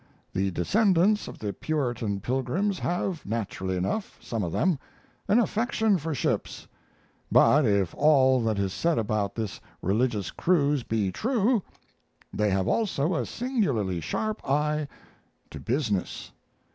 The descendants of the Puritan pilgrims have, naturally enough, some of them, an affection for ships; but if all that is said about this religious cruise be true they have also a singularly sharp eye to business.